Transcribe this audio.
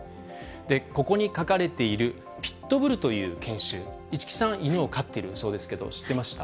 ここに書かれているピットブルという犬種、市來さん、犬を飼っているそうですけど、知ってました？